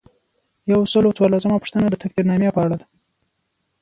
یو سل او څوارلسمه پوښتنه د تقدیرنامې په اړه ده.